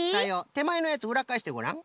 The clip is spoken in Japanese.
てまえのやつうらっかえしてごらん。